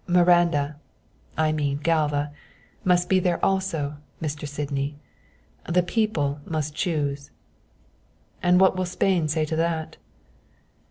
Miranda I mean Galva must be there also, Mr. Sydney; the people must choose." "And what will Spain say to that?"